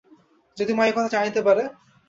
যদি মা একথা জানিতে পারে?